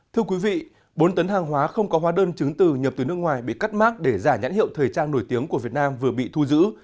thưa quý vị bốn tấn hàng hóa không có hóa đơn chứng từ nhập từ nước ngoài bị cắt mát để giả nhãn hiệu thời trang nổi tiếng của việt nam vừa bị thu giữ